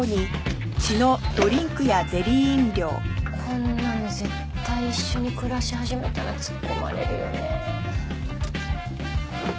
こんなの絶対一緒に暮らし始めたら突っ込まれるよね。